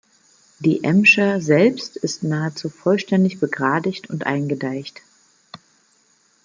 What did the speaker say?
Die Emscher selbst ist nahezu vollständig begradigt und eingedeicht.